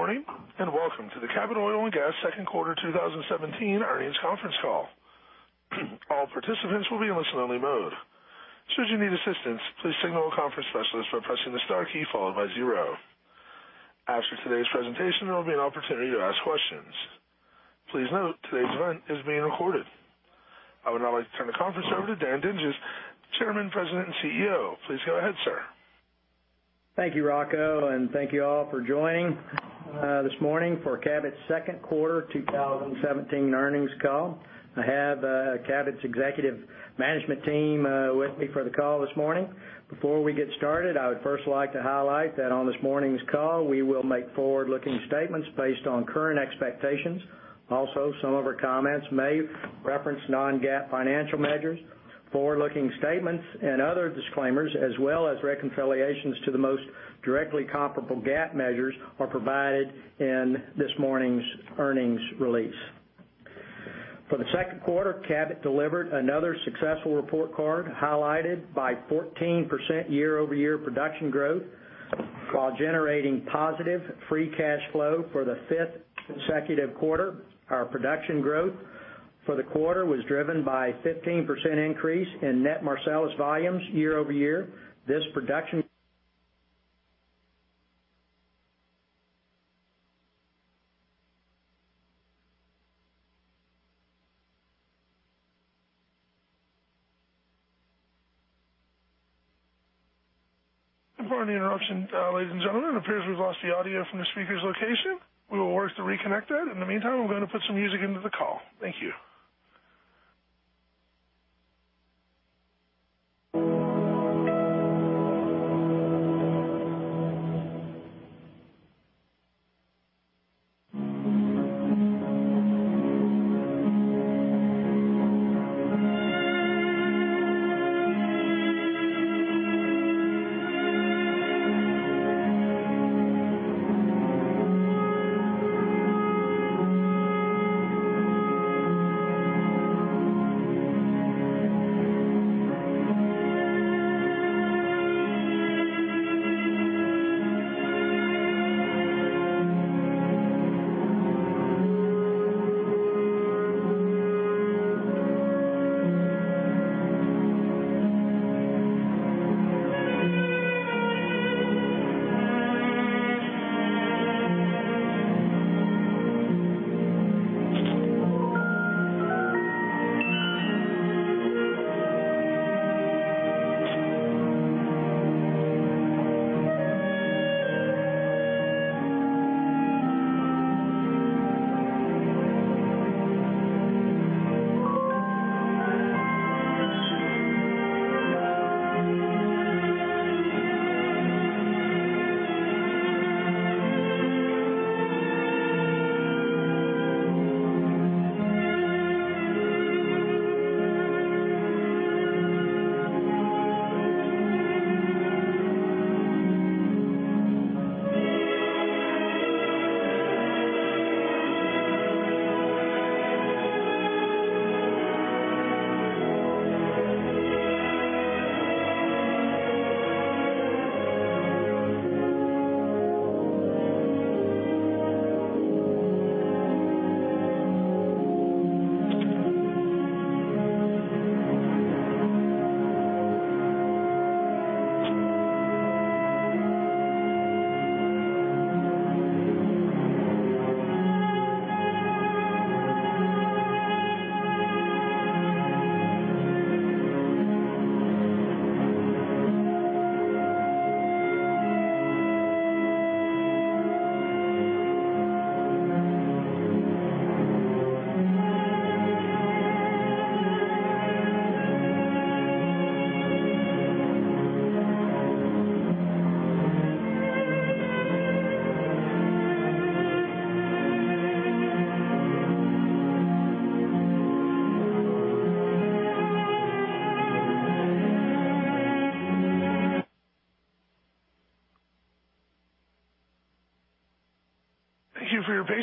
Good morning, and welcome to the Cabot Oil & Gas second quarter 2017 earnings conference call. All participants will be in listen-only mode. Should you need assistance, please signal a conference specialist by pressing the star key followed by 0. After today's presentation, there will be an opportunity to ask questions. Please note today's event is being recorded. I would now like to turn the conference over to Dan Dinges, Chairman, President, and CEO. Please go ahead, sir. Thank you, Rocco, and thank you all for joining this morning for Cabot's second quarter 2017 earnings call. I have Cabot's executive management team with me for the call this morning. Before we get started, I would first like to highlight that on this morning's call, we will make forward-looking statements based on current expectations. Also, some of our comments may reference non-GAAP financial measures. Forward-looking statements and other disclaimers, as well as reconciliations to the most directly comparable GAAP measures, are provided in this morning's earnings release. For the second quarter, Cabot delivered another successful report card highlighted by 14% year-over-year production growth while generating positive free cash flow for the fifth consecutive quarter. Our production growth for the quarter was driven by a 15% increase in net Marcellus volumes year-over-year. This production- Pardon the interruption, ladies and gentlemen. It appears we've lost the audio from the speaker's location. We will work to reconnect that. In the meantime, we're going to put some music into the call. Thank you.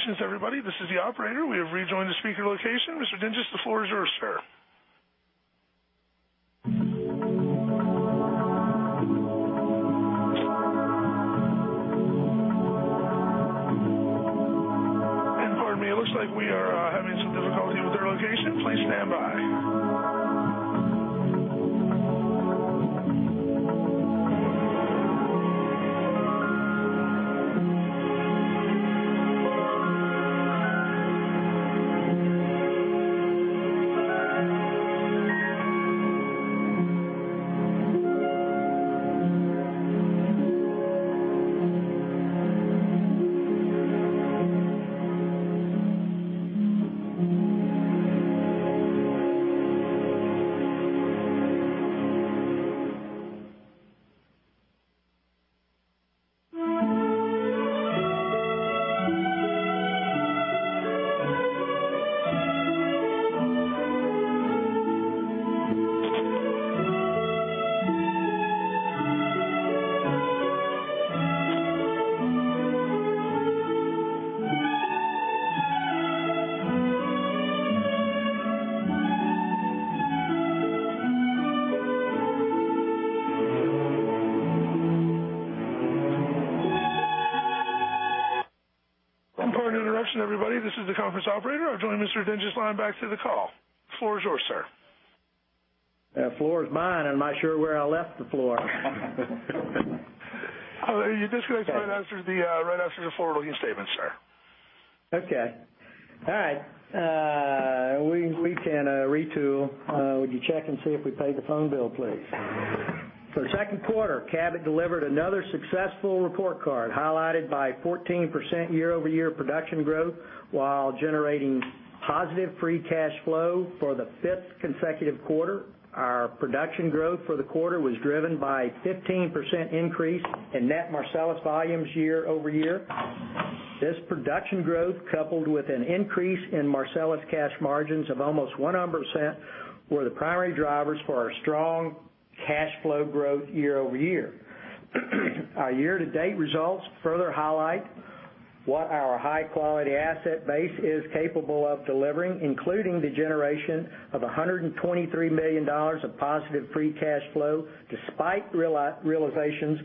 Thank you for your patience, everybody. This is the operator. We have rejoined the speaker location. Mr. Dinges, the floor is yours, sir. Pardon me, it looks like we are having some difficulty with their location. Please stand by. I'm sorry to interrupt you, everybody. This is the conference operator. I've joined Mr. Dinges' line back to the call. The floor is yours, sir. The floor is mine. I'm not sure where I left the floor. You disconnect right after the forward-looking statement, sir. Okay. All right. We can retool. Would you check and see if we paid the phone bill, please? For the second quarter, Cabot delivered another successful report card, highlighted by 14% year-over-year production growth while generating positive free cash flow for the fifth consecutive quarter. Our production growth for the quarter was driven by a 15% increase in net Marcellus volumes year-over-year. This production growth, coupled with an increase in Marcellus cash margins of almost [one percentage point], were the primary drivers for our strong cash flow growth year-over-year. Our year-to-date results further highlight what our high-quality asset base is capable of delivering, including the generation of $123 million of positive free cash flow, despite realizations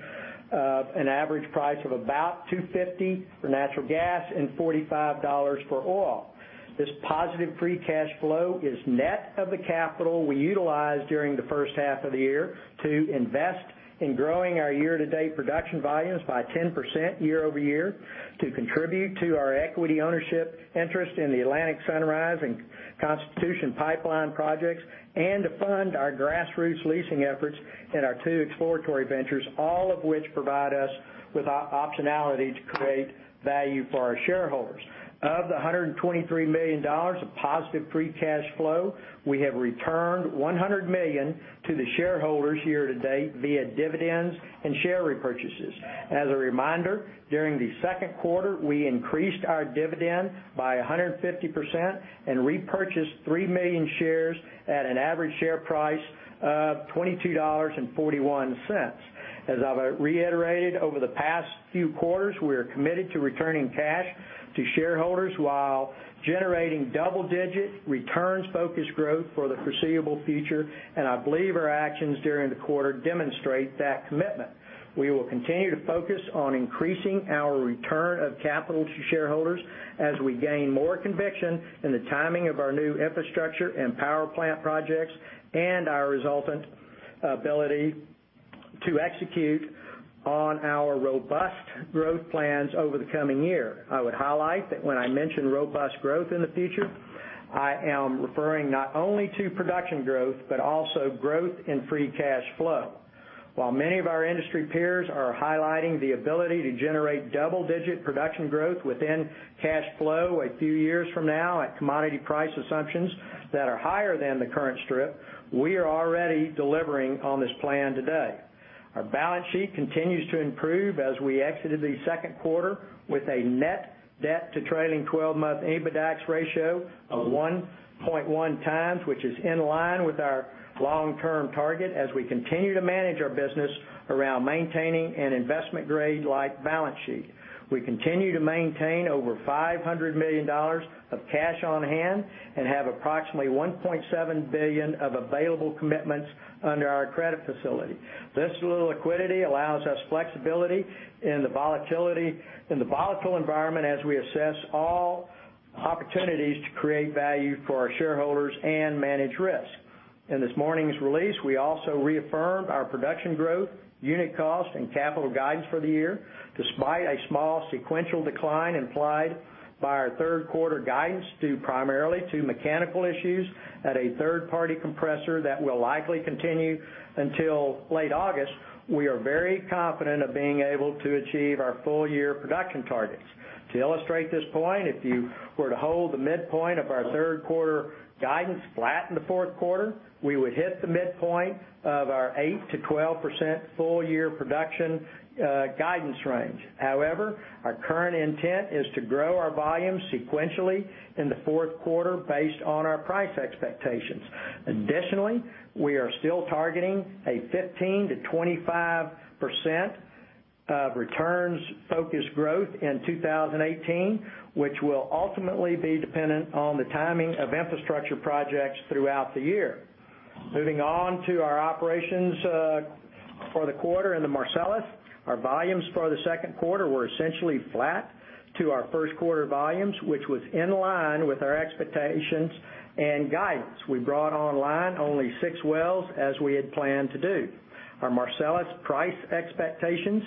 of an average price of about $2.50 for natural gas and $45 for oil. This positive free cash flow is net of the capital we utilized during the first half of the year to invest in growing our year-to-date production volumes by 10% year-over-year, to contribute to our equity ownership interest in the Atlantic Sunrise and Constitution Pipeline projects, and to fund our grassroots leasing efforts in our two exploratory ventures, all of which provide us with optionality to create value for our shareholders. Of the $123 million of positive free cash flow, we have returned $100 million to the shareholders year-to-date via dividends and share repurchases. As a reminder, during the second quarter, we increased our dividend by 150% and repurchased three million shares at an average share price of $22.41. As I've reiterated over the past few quarters, we are committed to returning cash to shareholders while generating double-digit returns-focused growth for the foreseeable future, and I believe our actions during the quarter demonstrate that commitment. We will continue to focus on increasing our return of capital to shareholders as we gain more conviction in the timing of our new infrastructure and power plant projects and our resultant ability to execute on our robust growth plans over the coming year. I would highlight that when I mention robust growth in the future, I am referring not only to production growth, but also growth in free cash flow. While many of our industry peers are highlighting the ability to generate double-digit production growth within cash flow a few years from now at commodity price assumptions that are higher than the current strip, we are already delivering on this plan today. Our balance sheet continues to improve as we exited the second quarter with a net debt to trailing 12-month EBITDAX ratio of 1.1 times, which is in line with our long-term target as we continue to manage our business around maintaining an investment grade-like balance sheet. We continue to maintain over $500 million of cash on hand and have approximately $1.7 billion of available commitments under our credit facility. This liquidity allows us flexibility in the volatile environment as we assess all opportunities to create value for our shareholders and manage risk. In this morning's release, we also reaffirmed our production growth, unit cost, and capital guidance for the year. Despite a small sequential decline implied by our third quarter guidance due primarily to mechanical issues at a third-party compressor that will likely continue until late August, we are very confident of being able to achieve our full-year production targets. To illustrate this point, if you were to hold the midpoint of our third quarter guidance flat in the fourth quarter, we would hit the midpoint of our 8%-12% full-year production guidance range. However, our current intent is to grow our volumes sequentially in the fourth quarter based on our price expectations. Additionally, we are still targeting a 15%-25% of returns-focused growth in 2018, which will ultimately be dependent on the timing of infrastructure projects throughout the year. Moving on to our operations for the quarter in the Marcellus. Our volumes for the second quarter were essentially flat to our first quarter volumes, which was in line with our expectations and guidance. We brought online only six wells as we had planned to do. Our Marcellus price expectations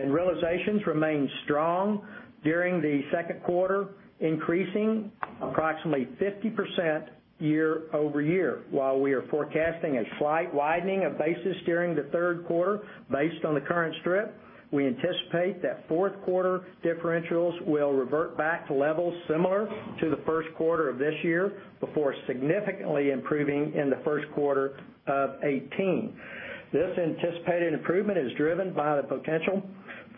and realizations remained strong during the second quarter, increasing approximately 50% year-over-year. While we are forecasting a slight widening of basis during the third quarter based on the current strip, we anticipate that fourth quarter differentials will revert back to levels similar to the first quarter of this year before significantly improving in the first quarter of 2018. This anticipated improvement is driven by the potential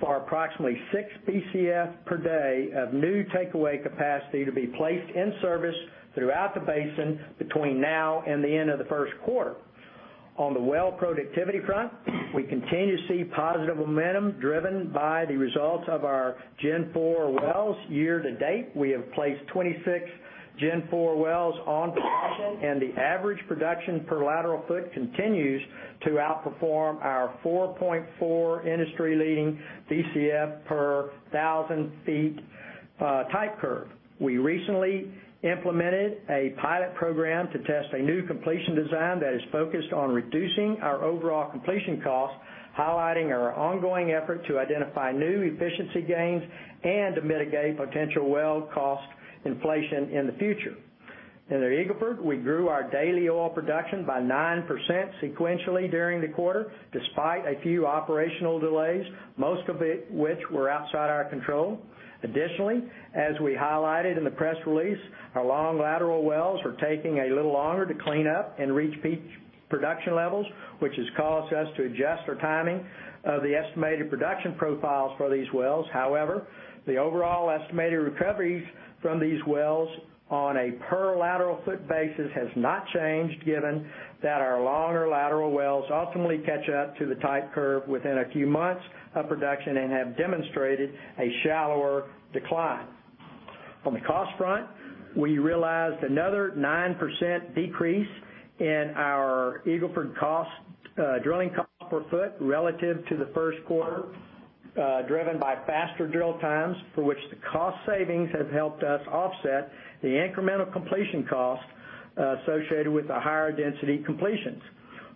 for approximately six Bcf per day of new takeaway capacity to be placed in service throughout the basin between now and the end of the first quarter. On the well productivity front, we continue to see positive momentum driven by the results of our Gen 4 wells. Year to date, we have placed 26 Gen 4 wells on production, and the average production per lateral foot continues to outperform our 4.4 industry-leading Bcf per 1,000 feet type curve. We recently implemented a pilot program to test a new completion design that is focused on reducing our overall completion cost, highlighting our ongoing effort to identify new efficiency gains and to mitigate potential well cost inflation in the future. In the Eagle Ford, we grew our daily oil production by 9% sequentially during the quarter, despite a few operational delays, most of it which were outside our control. Additionally, as we highlighted in the press release, our long lateral wells are taking a little longer to clean up and reach peak production levels, which has caused us to adjust our timing of the estimated production profiles for these wells. The overall estimated recoveries from these wells on a per lateral foot basis has not changed, given that our longer lateral wells ultimately catch up to the type curve within a few months of production and have demonstrated a shallower decline. On the cost front, we realized another 9% decrease in our Eagle Ford drilling cost per foot relative to the first quarter, driven by faster drill times, for which the cost savings have helped us offset the incremental completion cost associated with the higher density completions.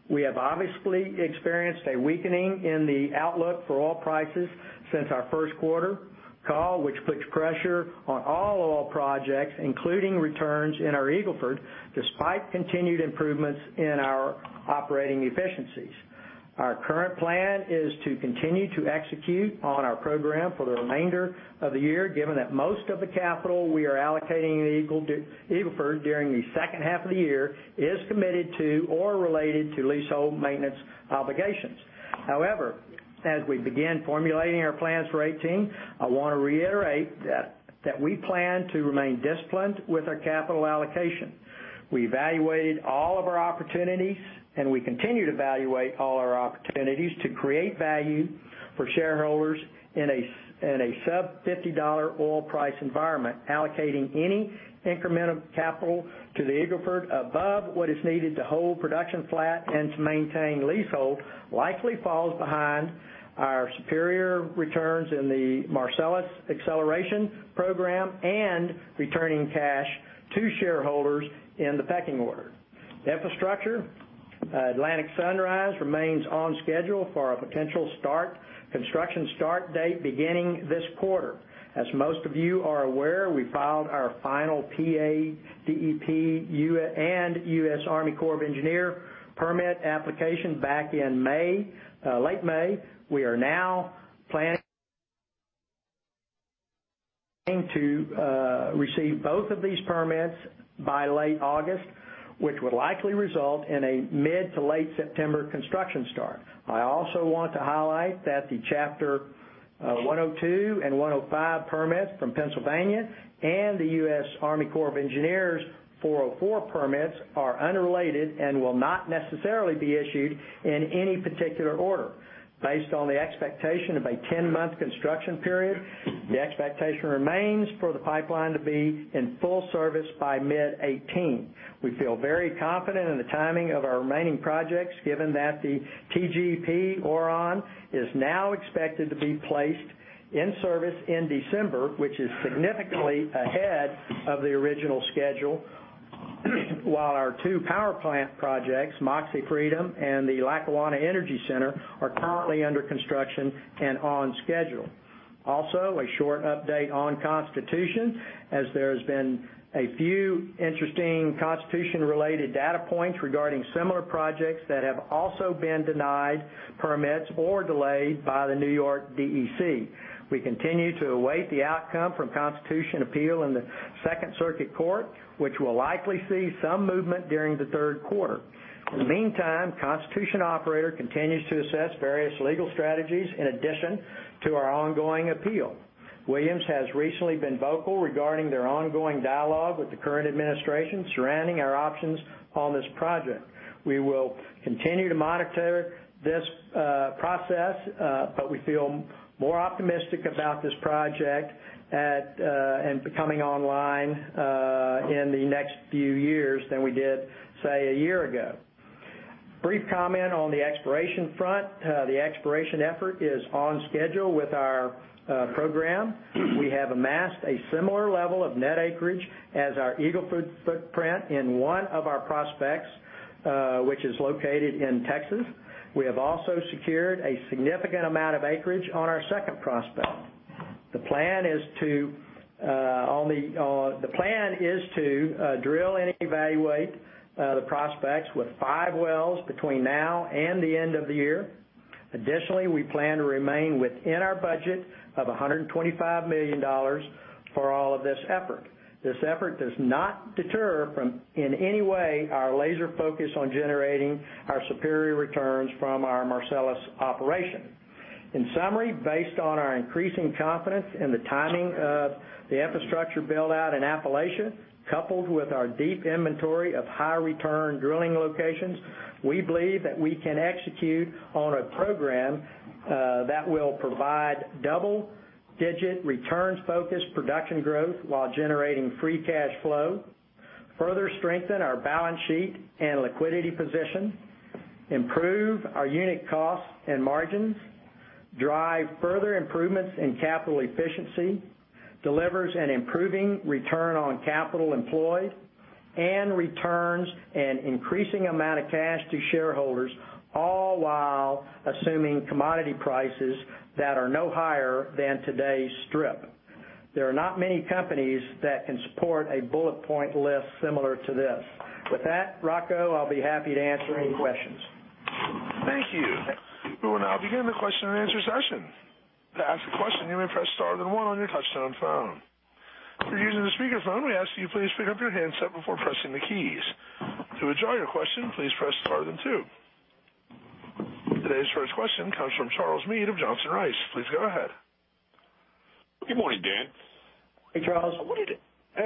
We have obviously experienced a weakening in the outlook for oil prices since our first quarter call, which puts pressure on all oil projects, including returns in our Eagle Ford, despite continued improvements in our operating efficiencies. Our current plan is to continue to execute on our program for the remainder of the year, given that most of the capital we are allocating in Eagle Ford during the second half of the year is committed to or related to leasehold maintenance obligations. As we begin formulating our plans for 2018, I want to reiterate that we plan to remain disciplined with our capital allocation. We evaluated all of our opportunities, and we continue to evaluate all our opportunities to create value for shareholders in a sub-$50 oil price environment. Allocating any incremental capital to the Eagle Ford above what is needed to hold production flat and to maintain leasehold likely falls behind our superior returns in the Marcellus acceleration program and returning cash to shareholders in the pecking order. Infrastructure, Atlantic Sunrise remains on schedule for a potential construction start date beginning this quarter. As most of you are aware, we filed our final PADEP and U.S. Army Corps of Engineers permit application back in late May. We are now planning to receive both of these permits by late August, which would likely result in a mid to late September construction start. I also want to highlight that the Chapter 102 and 105 permits from Pennsylvania and the U.S. Army Corps of Engineers' 404 permits are unrelated and will not necessarily be issued in any particular order. Based on the expectation of a 10-month construction period, the expectation remains for the pipeline to be in full service by mid 2018. We feel very confident in the timing of our remaining projects, given that the TGP Orion is now expected to be placed in service in December, which is significantly ahead of the original schedule. While our two power plant projects, Moxie Freedom and the Lackawanna Energy Center, are currently under construction and on schedule. A short update on Constitution, as there has been a few interesting Constitution-related data points regarding similar projects that have also been denied permits or delayed by the New York DEC. We continue to await the outcome from Constitution Appeal in the Second Circuit Court, which will likely see some movement during the third quarter. In the meantime, Constitution Operator continues to assess various legal strategies in addition to our ongoing appeal. Williams has recently been vocal regarding their ongoing dialogue with the current administration surrounding our options on this project. We will continue to monitor this process, but we feel more optimistic about this project and becoming online in the next few years than we did, say, a year ago. Brief comment on the exploration front. The exploration effort is on schedule with our program. We have amassed a similar level of net acreage as our Eagle Ford footprint in one of our prospects, which is located in Texas. We have also secured a significant amount of acreage on our second prospect. The plan is to drill and evaluate the prospects with five wells between now and the end of the year. Additionally, we plan to remain within our budget of $125 million for all of this effort. This effort does not deter in any way our laser focus on generating our superior returns from our Marcellus operation. In summary, based on our increasing confidence in the timing of the infrastructure build-out in Appalachia, coupled with our deep inventory of high-return drilling locations, we believe that we can execute on a program that will provide double-digit returns focus production growth while generating free cash flow, further strengthen our balance sheet and liquidity position, improve our unit costs and margins, drive further improvements in capital efficiency, delivers an improving return on capital employed, and returns an increasing amount of cash to shareholders, all while assuming commodity prices that are no higher than today's strip. There are not many companies that can support a bullet point list similar to this. With that, Rocco, I'll be happy to answer any questions. Thank you. We will now begin the question and answer session. To ask a question, you may press star then one on your touch-tone phone. If you're using the speakerphone, we ask that you please pick up your handset before pressing the keys. To withdraw your question, please press star then two. Today's first question comes from Charles Meade of Johnson Rice. Please go ahead. Good morning, Dan. Hey, Charles. I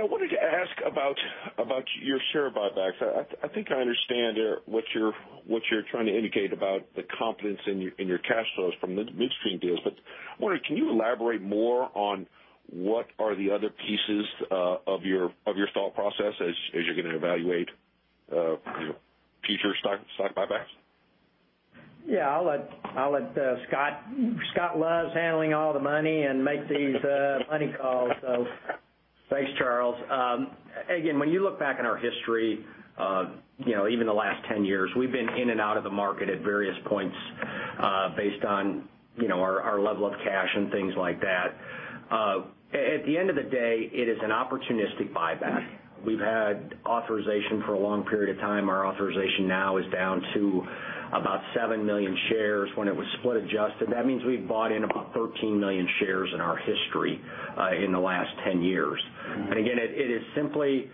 wanted to ask about your share buybacks. I think I understand what you're trying to indicate about the confidence in your cash flows from the midstream deals. I wonder, can you elaborate more on what are the other pieces of your thought process as you're going to evaluate future stock buybacks? Yeah. I'll let Scott. Scott loves handling all the money and make these money calls. Thanks, Charles. When you look back on our history, even the last 10 years, we've been in and out of the market at various points based on our level of cash and things like that. At the end of the day, it is an opportunistic buyback. We've had authorization for a long period of time. Our authorization now is down to about seven million shares when it was split adjusted. That means we've bought in about 13 million shares in our history in the last 10 years. It is simply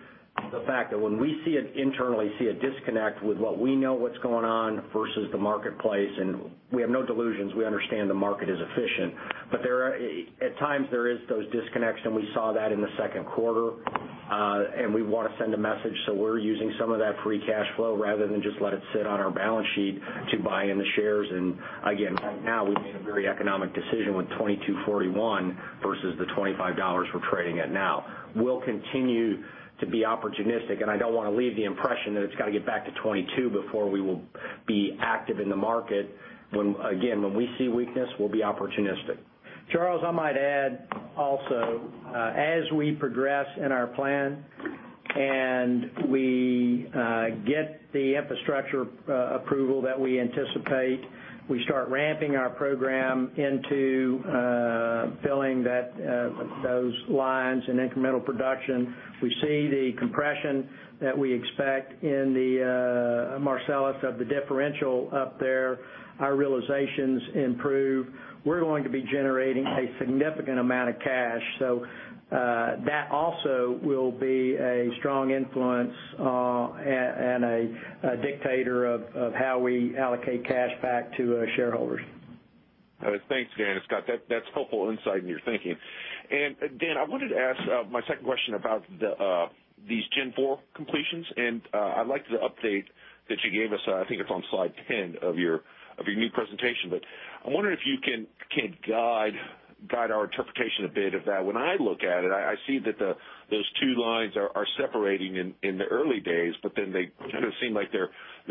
the fact that when we internally see a disconnect with what we know what's going on versus the marketplace, and we have no delusions, we understand the market is efficient, but at times there is those disconnects, and we saw that in the second quarter. We want to send a message, we're using some of that free cash flow rather than just let it sit on our balance sheet to buy in the shares. Again, right now, we made a very economic decision with $22.41 versus the $25 we're trading at now. We'll continue to be opportunistic, and I don't want to leave the impression that it's got to get back to $22 before we will be active in the market. When we see weakness, we'll be opportunistic. Charles, I might add also, as we progress in our plan and we get the infrastructure approval that we anticipate, we start ramping our program into filling those lines and incremental production. We see the compression that we expect in the Marcellus of the differential up there. Our realizations improve. We're going to be generating a significant amount of cash. That also will be a strong influence and a dictator of how we allocate cash back to shareholders. Thanks, Dan and Scott. That's helpful insight in your thinking. Dan, I wanted to ask my second question about these Gen 4 completions, and I liked the update that you gave us. I think it's on slide 10 of your new presentation. I wonder if you can guide our interpretation a bit of that. When I look at it, I see that those two lines are separating in the early days, then they kind of seem like they're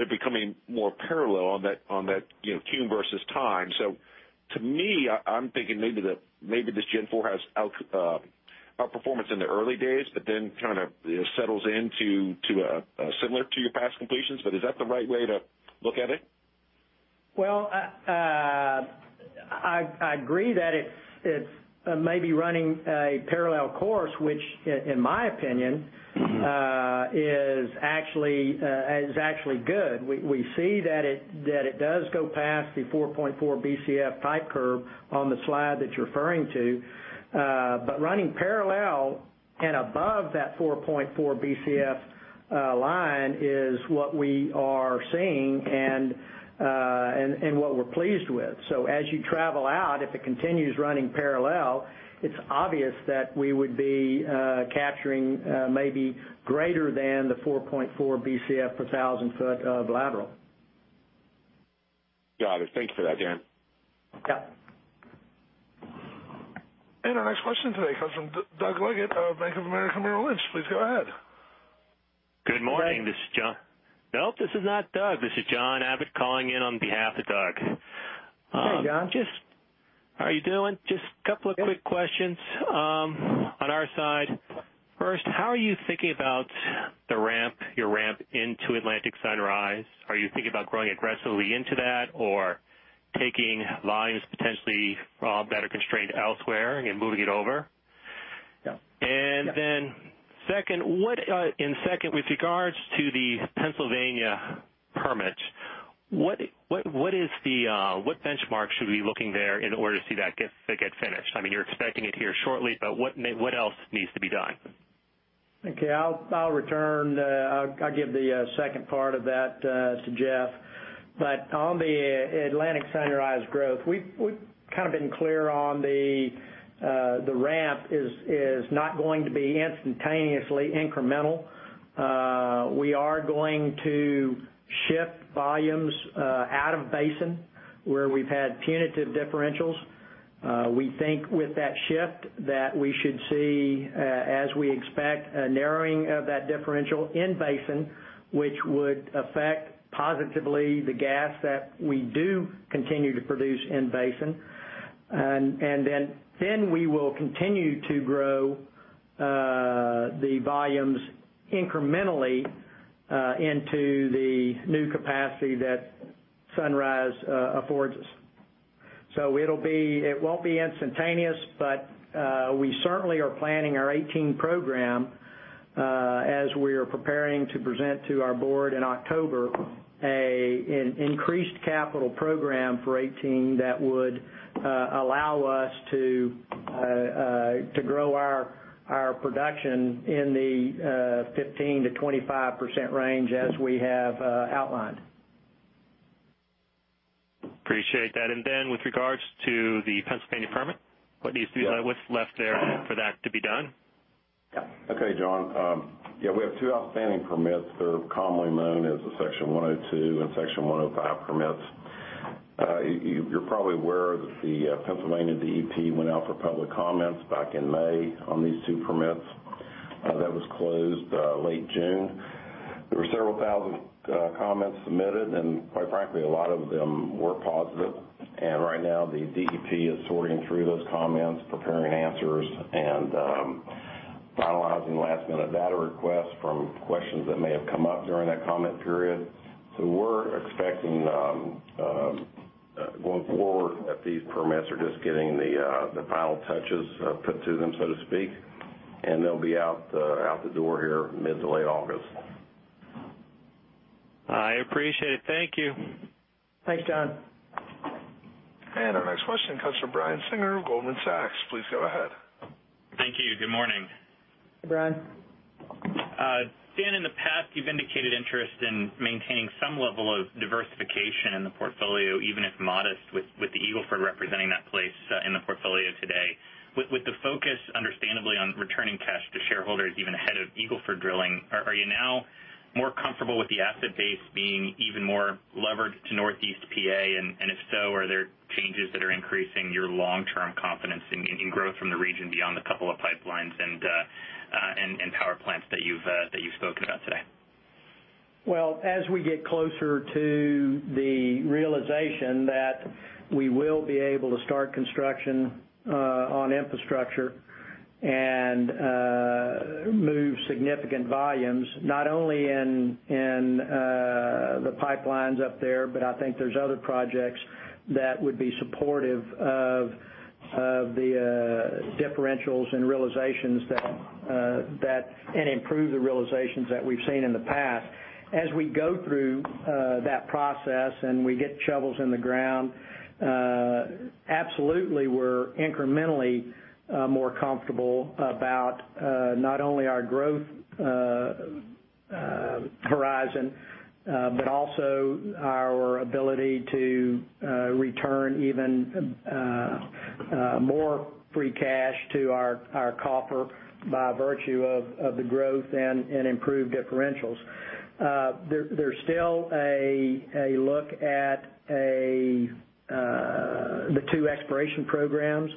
becoming more parallel on that tune versus time. To me, I'm thinking maybe this Gen 4 has outperformance in the early days, then kind of settles in to similar to your past completions. Is that the right way to look at it? Well, I agree that it's maybe running a parallel course, which, in my opinion, is actually good. We see that it does go past the 4.4 Bcf type curve on the slide that you're referring to. Running parallel and above that 4.4 Bcf line is what we are seeing and what we're pleased with. As you travel out, if it continues running parallel, it's obvious that we would be capturing maybe greater than the 4.4 Bcf per 1,000 foot of lateral. Got it. Thank you for that, Dan. Yeah. Our next question today comes from Doug Leggate of Bank of America Merrill Lynch. Please go ahead. Good morning. This is John. Nope, this is not Doug. This is John Abbott calling in on behalf of Doug. Hey, John. How are you doing? Just couple of quick questions on our side. First, how are you thinking about your ramp into Atlantic Sunrise? Are you thinking about growing aggressively into that or taking lines potentially that are constrained elsewhere and moving it over? Yeah. Second, with regards to the Pennsylvania permit, what benchmark should we be looking there in order to see that get finished? I mean, you're expecting it here shortly, but what else needs to be done? Okay. I'll return. I'll give the second part of that to Jeff. On the Atlantic Sunrise growth, we've kind of been clear on the ramp is not going to be instantaneously incremental. We are going to ship volumes out of basin where we've had punitive differentials. We think with that shift that we should see, as we expect, a narrowing of that differential in basin, which would affect positively the gas that we do continue to produce in basin. We will continue to grow the volumes incrementally into the new capacity that Sunrise affords us. It won't be instantaneous, but we certainly are planning our 2018 program, as we are preparing to present to our board in October, an increased capital program for 2018 that would allow us to grow our production in the 15%-25% range as we have outlined. Appreciate that. With regards to the Pennsylvania permit, what's left there for that to be done? Okay, John. We have two outstanding permits. They're commonly known as the Section 102 and Section 105 permits. You're probably aware that the Pennsylvania DEP went out for public comments back in May on these two permits. That was closed late June. There were several thousand comments submitted, and quite frankly, a lot of them were positive. Right now, the DEP is sorting through those comments, preparing answers, and finalizing last-minute data requests from questions that may have come up during that comment period. We're expecting, going forward, that these permits are just getting the final touches put to them, so to speak, and they'll be out the door here mid to late August. I appreciate it. Thank you. Thanks, John. Our next question comes from Brian Singer of Goldman Sachs. Please go ahead. Thank you. Good morning. Hey, Brian. Dan, in the past, you've indicated interest in maintaining some level of diversification in the portfolio, even if modest, with the Eagle Ford representing that place in the portfolio today. With the focus understandably on returning cash to shareholders even ahead of Eagle Ford drilling, are you now more comfortable with the asset base being even more levered to Northeast PA? If so, are there changes that are increasing your long-term confidence in growth from the region beyond the couple of pipelines and power plants that you've spoken about today? Well, as we get closer to the realization that we will be able to start construction on infrastructure and move significant volumes, not only in the pipelines up there, but I think there's other projects that would be supportive of the differentials and realizations and improve the realizations that we've seen in the past. As we go through that process and we get shovels in the ground, absolutely we're incrementally more comfortable about not only our growth horizon but also our ability to return even more free cash to our coffer by virtue of the growth and improved differentials. There's still a look at the two exploration programs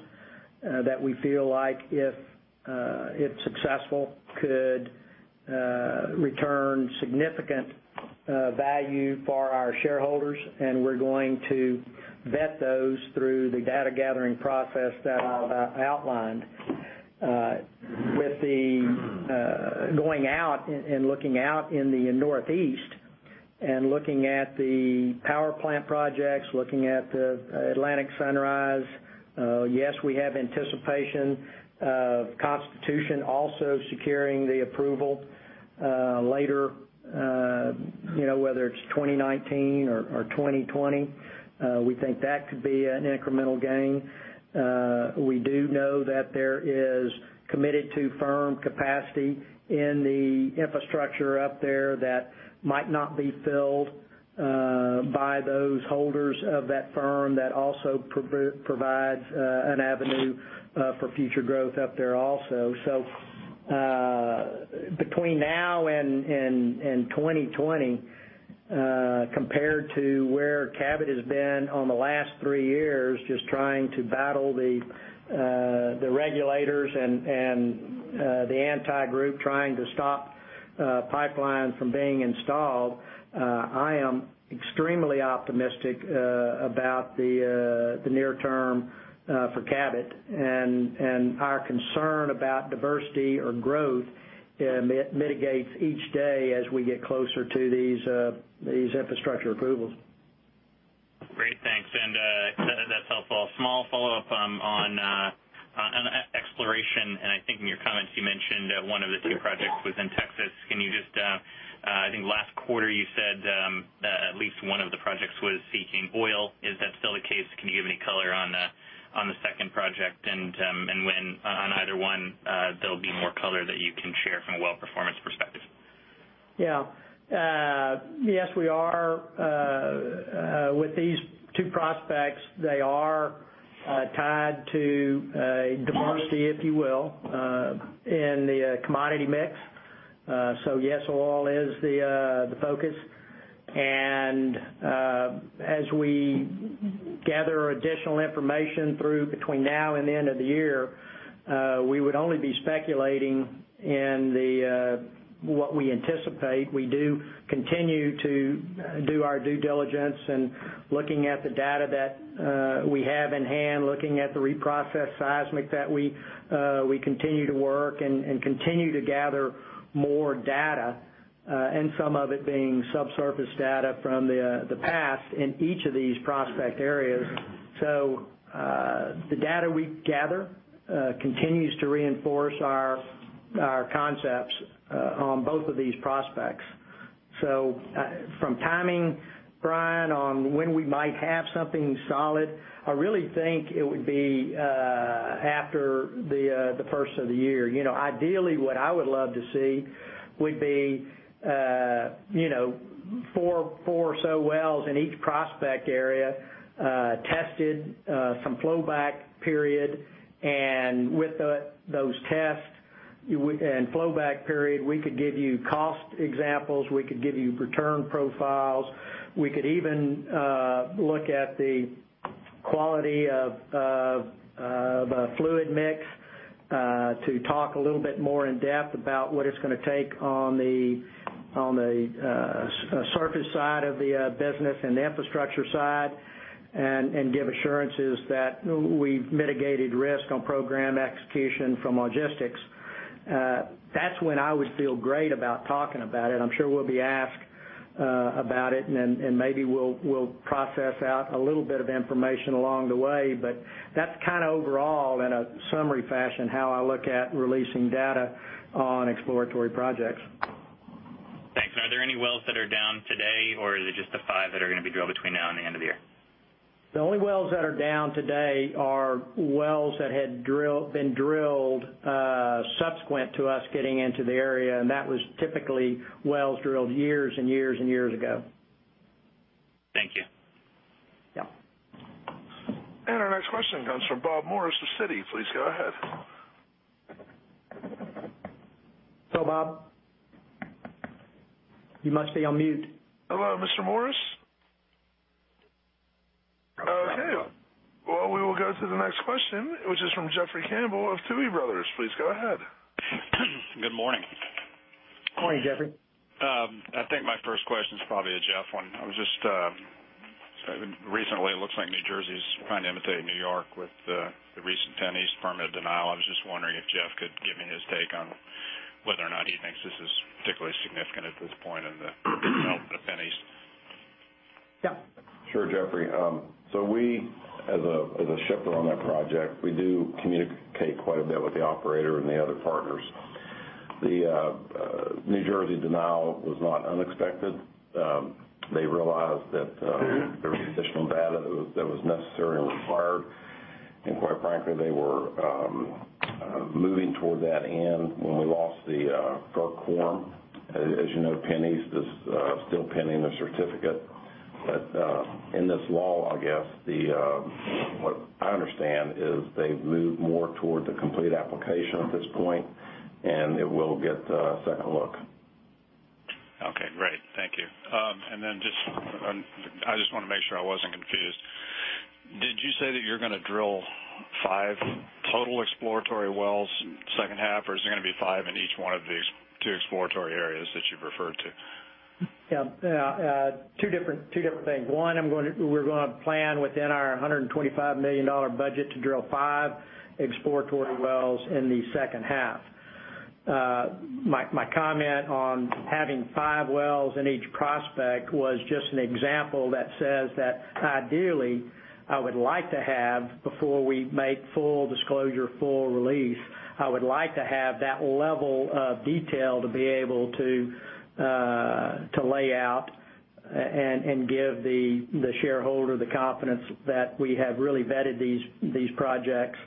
that we feel like if successful, could return significant value for our shareholders, and we're going to vet those through the data gathering process that I outlined. With the going out and looking out in the Northeast and looking at the power plant projects, looking at the Atlantic Sunrise, yes, we have anticipation of Constitution also securing the approval later, whether it's 2019 or 2020. We think that could be an incremental gain. We do know that there is committed to firm capacity in the infrastructure up there that might not be filled by those holders of that firm that also provides an avenue for future growth up there also. Between now and 2020, compared to where Cabot has been on the last three years, just trying to battle the regulators and the anti-group trying to stop pipelines from being installed, I am extremely optimistic about the near term for Cabot. Our concern about diversity or growth mitigates each day as we get closer to these infrastructure approvals. That's helpful. A small follow-up on exploration, and I think in your comments you mentioned one of the two projects was in Texas. I think last quarter you said that at least one of the projects was seeking oil. Is that still the case? Can you give any color on the second project, and when on either one there'll be more color that you can share from a well performance perspective? Yeah. Yes, with these two prospects, they are tied to a diversity, if you will, in the commodity mix. Yes, oil is the focus, and as we gather additional information through between now and the end of the year, we would only be speculating in what we anticipate. We do continue to do our due diligence and looking at the data that we have in hand, looking at the reprocess seismic that we continue to work and continue to gather more data, and some of it being subsurface data from the past in each of these prospect areas. The data we gather continues to reinforce our concepts on both of these prospects. From timing, Brian, on when we might have something solid, I really think it would be after the first of the year. Ideally, what I would love to see would be four or so wells in each prospect area tested, some flow back period, and with those tests and flow back period, we could give you cost examples, we could give you return profiles, we could even look at the quality of a fluid mix to talk a little bit more in depth about what it's going to take on the surface side of the business and the infrastructure side, and give assurances that we've mitigated risk on program execution from logistics. That's when I would feel great about talking about it. I'm sure we'll be asked about it, and maybe we'll process out a little bit of information along the way, but that's overall in a summary fashion, how I look at releasing data on exploratory projects. Thanks. Are there any wells that are down today, or is it just the five that are going to be drilled between now and the end of the year? The only wells that are down today are wells that had been drilled subsequent to us getting into the area. That was typically wells drilled years and years and years ago. Thank you. Yeah. Our next question comes from Robert Morris with Citi. Please go ahead. Hello, Bob. You must be on mute. Hello, Mr. Morris? Okay. Well, we will go to the next question, which is from Jeffrey Campbell of Tuohy Brothers. Please go ahead. Good morning. Morning, Jeffrey. I think my first question's probably a Jeff one. Recently, it looks like New Jersey's trying to imitate New York with the recent PennEast permit denial. I was just wondering if Jeff could give me his take on whether or not he thinks this is particularly significant at this point in the development of PennEast. Yeah. Sure, Jeffrey. We as a shipper on that project, we do communicate quite a bit with the operator and the other partners. The New Jersey denial was not unexpected. They realized that there was additional data that was necessary and required, and quite frankly, they were moving toward that end when we lost the pro forma]. As you know, PennEast is still pending a certificate. In this lull, I guess, what I understand is they've moved more towards a complete application at this point, and it will get a second look. Okay, great. Thank you. I just want to make sure I wasn't confused. Did you say that you're going to drill 5 total exploratory wells second half, or is there going to be 5 in each one of these 2 exploratory areas that you've referred to? Yeah. 2 different things. 1, we're going to plan within our $125 million budget to drill 5 exploratory wells in the second half. My comment on having 5 wells in each prospect was just an example that says that ideally I would like to have, before we make full disclosure, full release, I would like to have that level of detail to be able to lay out and give the shareholder the confidence that we have really vetted these projects,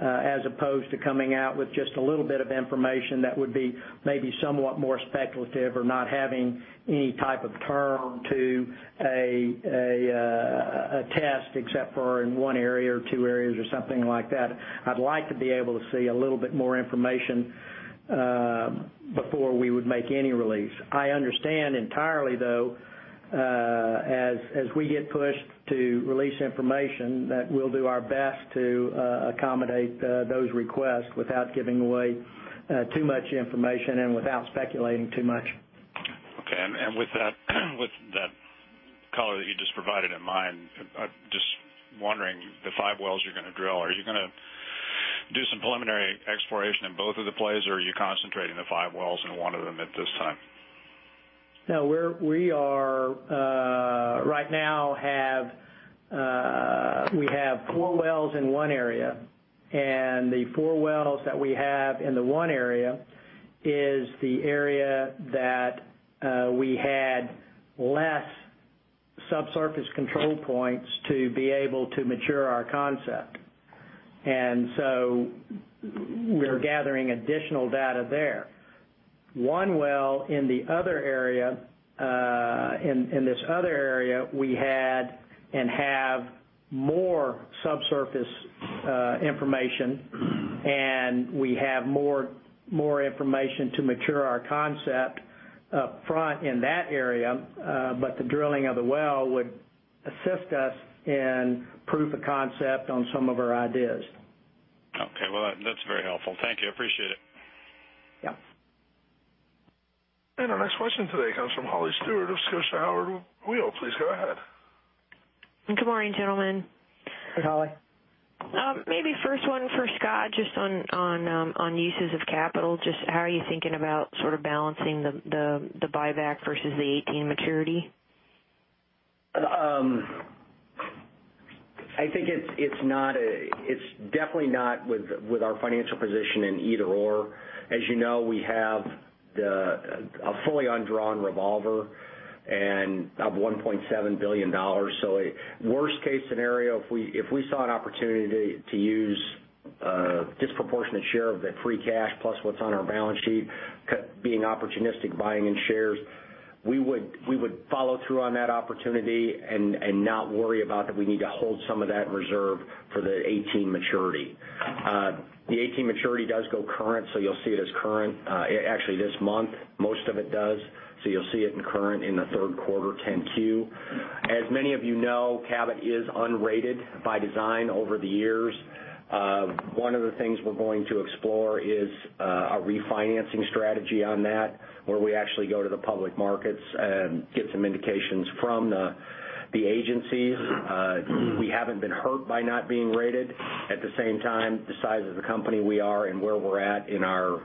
as opposed to coming out with just a little bit of information that would be maybe somewhat more speculative or not having any type of term to a test except for in 1 area or 2 areas or something like that. I'd like to be able to see a little bit more information before we would make any release. I understand entirely, though, as we get pushed to release information, that we'll do our best to accommodate those requests without giving away too much information and without speculating too much. Okay. With that color that you just provided in mind, I'm just wondering, the five wells you're going to drill, are you going to do some preliminary exploration in both of the plays, or are you concentrating the five wells in one of them at this time? No, we right now have four wells in one area. The four wells that we have in the one area is the area that we had less subsurface control points to be able to mature our concept. We're gathering additional data there. One well in this other area, we had and have more subsurface information, and we have more information to mature our concept up front in that area. The drilling of the well would assist us in proof of concept on some of our ideas. Okay. Well, that's very helpful. Thank you. I appreciate it. Yeah. Our next question today comes from Holly Stewart of Scotiabank. Please go ahead. Good morning, gentlemen. Hey, Holly. Maybe first one for Scott, just on uses of capital. Just how are you thinking about balancing the buyback versus the 2018 maturity? I think it's definitely not with our financial position in either/or. As you know, we have a fully undrawn revolver of $1.7 billion. Worst case scenario, if we saw an opportunity to use a disproportionate share of the free cash plus what's on our balance sheet, being opportunistic, buying in shares, we would follow through on that opportunity and not worry about that we need to hold some of that in reserve for the 2018 maturity. The 2018 maturity does go current, so you'll see it as current. Actually, this month, most of it does. You'll see it in current in the third quarter 10-Q. As many of you know, Cabot is unrated by design over the years. One of the things we're going to explore is a refinancing strategy on that, where we actually go to the public markets and get some indications from the agencies. We haven't been hurt by not being rated. At the same time, the size of the company we are and where we're at in our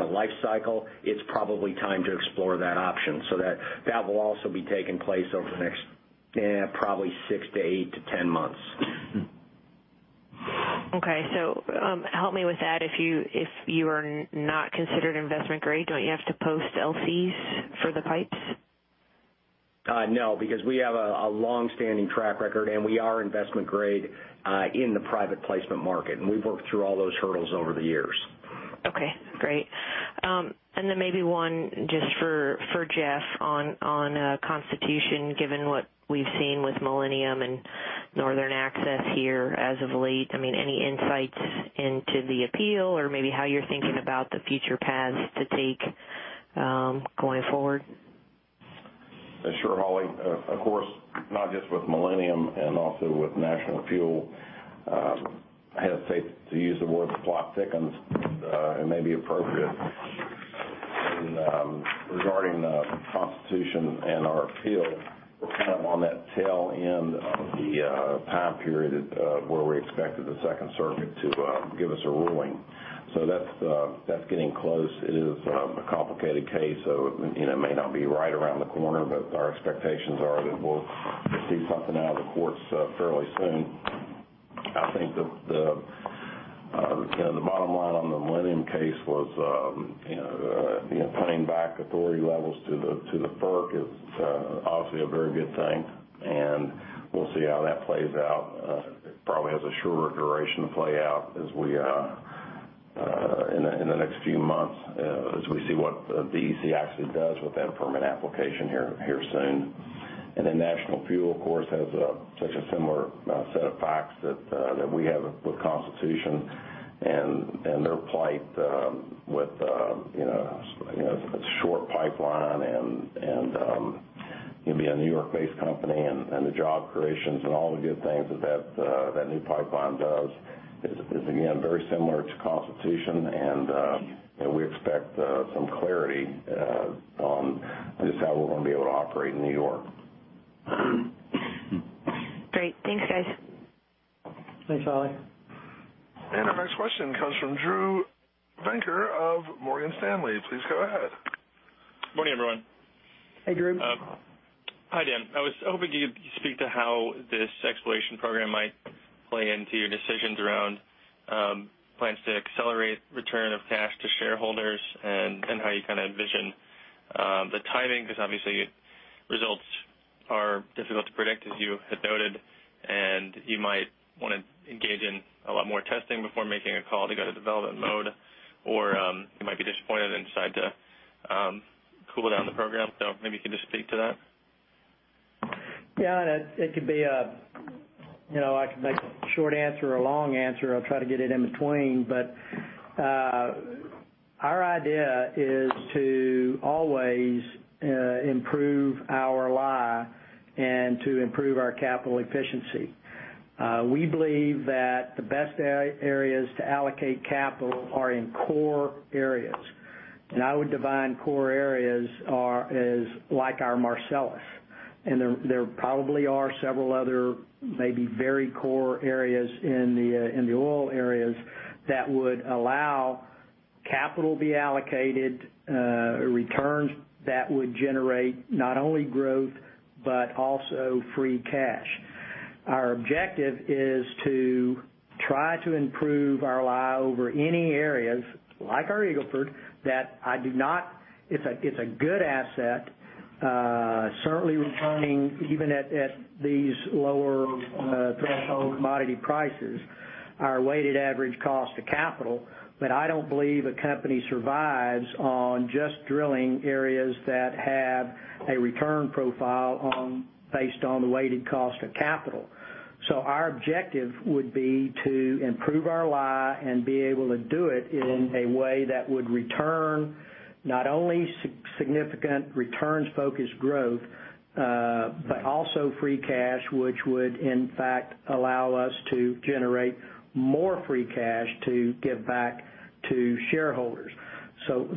life cycle, it's probably time to explore that option. That will also be taking place over the next probably six to eight to 10 months. Okay. Help me with that. If you are not considered investment grade, don't you have to post LCs for the pipes? No, because we have a longstanding track record, and we are investment grade in the private placement market, and we've worked through all those hurdles over the years. Okay, great. Maybe one just for Jeff on Constitution, given what we've seen with Millennium and Northern Access here as of late. Any insights into the appeal or maybe how you're thinking about the future paths to take going forward? Sure, Holly. Of course, not just with Millennium and also with National Fuel, I hesitate to use the words the plot thickens, it may be appropriate. In regarding Constitution and our appeal, we're on that tail end of the time period where we expected the Second Circuit to give us a ruling. That's getting close. It is a complicated case, it may not be right around the corner, but our expectations are that we'll see something out of the courts fairly soon. I think the bottom line on the Millennium case was cutting back authority levels to the FERC is obviously a very good thing, and we'll see how that plays out. It probably has a shorter duration to play out in the next few months, as we see what the DEC actually does with that permit application here soon. National Fuel, of course, has such a similar set of facts that we have with Constitution, and their plight with a short pipeline and being a New York-based company and the job creations and all the good things that that new pipeline does is, again, very similar to Constitution, and we expect some clarity on just how we're going to be able to operate in New York. Great. Thanks, guys. Thanks, Holly. Our next question comes from Drew Venker of Morgan Stanley. Please go ahead. Morning, everyone. Hey, Drew. Hi, Dan. I was hoping you'd speak to how this exploration program might play into your decisions around plans to accelerate return of cash to shareholders and how you envision the timing, because obviously results are difficult to predict, as you had noted, and you might want to engage in a lot more testing before making a call to go to development mode, or you might be disappointed and decide to cool down the program. Maybe you can just speak to that. Yeah. I could make a short answer or a long answer. I'll try to get it in between, our idea is to always improve our lie and to improve our capital efficiency. We believe that the best areas to allocate capital are in core areas. I would define core areas as like our Marcellus. There probably are several other maybe very core areas in the oil areas that would allow capital be allocated, returns that would generate not only growth, but also free cash. Our objective is to try to improve our lie over any areas, like our Eagle Ford, that it's a good asset, certainly returning even at these lower threshold commodity prices, our weighted average cost of capital. I don't believe a company survives on just drilling areas that have a return profile based on the weighted cost of capital. Our objective would be to improve our lie and be able to do it in a way that would return not only significant returns-focused growth, but also free cash, which would in fact allow us to generate more free cash to give back to shareholders.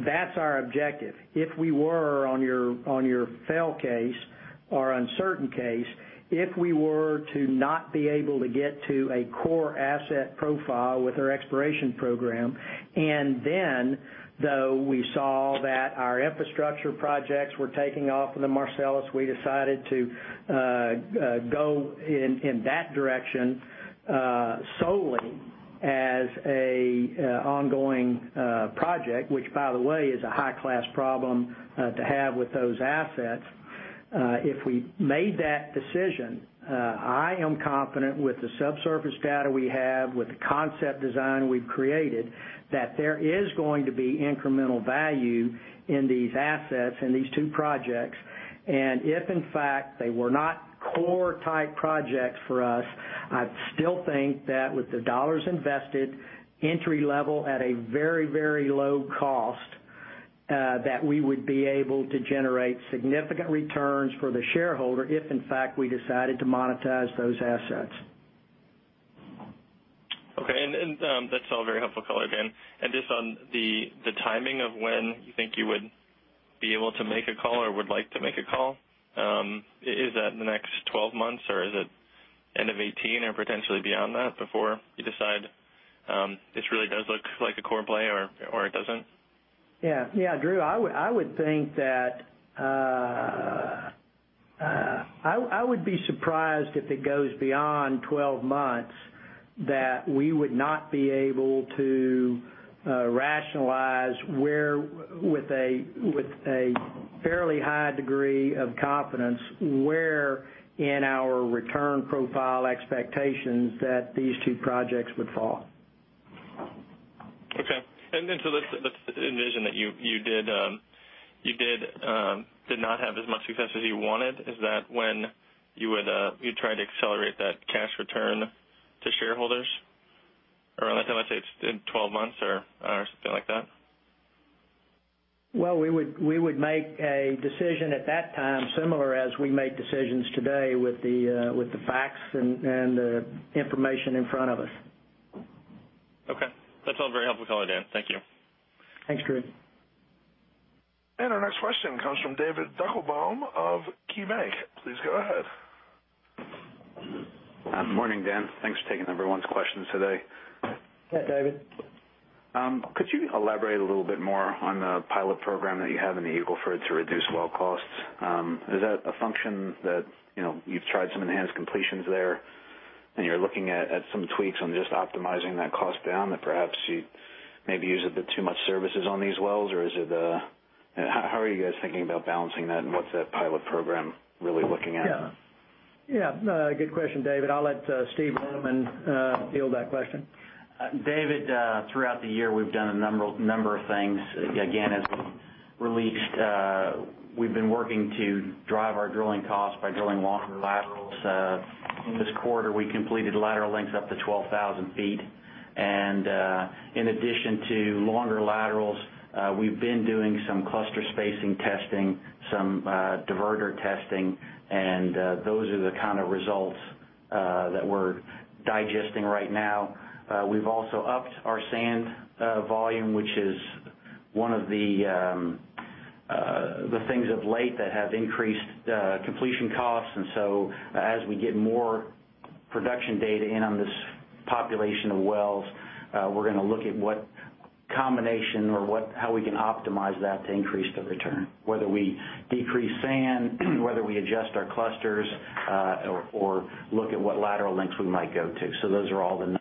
That's our objective. If we were on your fail case or uncertain case, if we were to not be able to get to a core asset profile with our exploration program, though we saw that our infrastructure projects were taking off in the Marcellus, we decided to go in that direction solely as an ongoing project, which by the way, is a high-class problem to have with those assets. If we made that decision, I am confident with the subsurface data we have, with the concept design we've created, that there is going to be incremental value in these assets, in these two projects. If in fact they were not core type projects for us, I'd still think that with the dollars invested, entry level at a very low cost, that we would be able to generate significant returns for the shareholder if in fact we decided to monetize those assets. Okay. That's all very helpful color, Dan. Just on the timing of when you think you would be able to make a call or would like to make a call, is that in the next 12 months, or is it end of 2018 or potentially beyond that before you decide this really does look like a core play or it doesn't? Yeah. Drew, I would be surprised if it goes beyond 12 months, that we would not be able to rationalize with a fairly high degree of confidence where in our return profile expectations that these two projects would fall. Okay. Let's envision that you did not have as much success as you wanted. Is that when you'd try to accelerate that cash return to shareholders? Let's say in 12 months or something like that? Well, we would make a decision at that time, similar as we make decisions today with the facts and the information in front of us. Okay. That's all very helpful color, Dan. Thank you. Thanks, Drew. Our next question comes from David Deckelbaum of KeyBanc. Please go ahead. Good morning, Dan. Thanks for taking everyone's questions today. Yeah, David. Could you elaborate a little bit more on the pilot program that you have in the Eagle Ford to reduce well costs? Is that a function that you've tried some enhanced completions there, and you're looking at some tweaks on just optimizing that cost down, that perhaps you maybe used a bit too much services on these wells? Or how are you guys thinking about balancing that, and what's that pilot program really looking at? Yeah. Good question, David. I'll let Steven Richman field that question. David, throughout the year, we've done a number of things. As we released, we've been working to drive our drilling costs by drilling longer laterals. In this quarter, we completed lateral lengths up to 12,000 feet. In addition to longer laterals, we've been doing some cluster spacing testing, some diverter testing, and those are the kind of results that we're digesting right now. We've also upped our sand volume, which is one of the things of late that have increased completion costs. As we get more production data in on this population of wells, we're going to look at what combination or how we can optimize that to increase the return, whether we decrease sand, whether we adjust our clusters or look at what lateral lengths we might go to.